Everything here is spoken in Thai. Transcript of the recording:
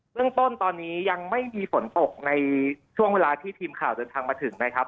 เรื่องต้นตอนนี้ยังไม่มีฝนตกในช่วงเวลาที่ทีมข่าวเดินทางมาถึงนะครับ